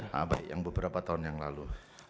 nah baik yang beberapa tahun yang lalu